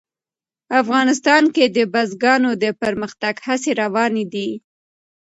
افغانستان کې د بزګانو د پرمختګ هڅې روانې دي.